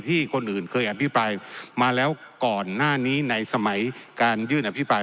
คนอื่นเคยอภิปรายมาแล้วก่อนหน้านี้ในสมัยการยื่นอภิปราย